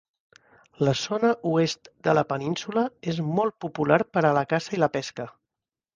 La zona oest de la península és molt popular pera a la caça i la pesca.